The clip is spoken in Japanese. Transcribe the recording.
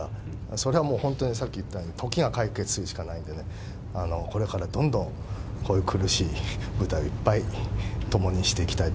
それはもう本当に、さっき言ったように、時が解決するしかないんでね、これからどんどんこういう苦しい舞台をいっぱい共にしていきたい